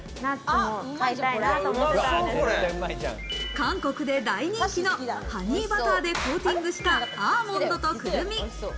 韓国で大人気のハニーバターでコーティングしたアーモンドとクルミ。